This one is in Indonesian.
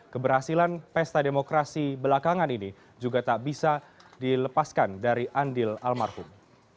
keberhasilan pesta demokrasi belakangan ini juga tak bisa dilepaskan dari andil almarhum